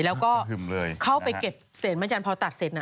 แล้วก็เข้าไปเก็บเสร็จไม้จันพอตัดเสร็จ